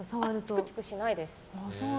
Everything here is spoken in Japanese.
チクチクしないです。